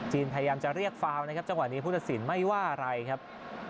พยายามจะเรียกฟาวนะครับจังหวะนี้ผู้ตัดสินไม่ว่าอะไรครับ